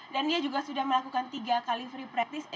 dia juga sudah melakukan tiga kali free practice